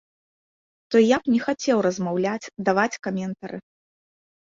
То я б не хацеў размаўляць, даваць каментары.